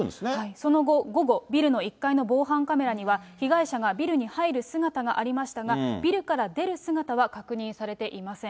その後午後、ビルの１階の防犯カメラには、被害者がビルに入る姿がありましたが、ビルから出る姿は確認されていません。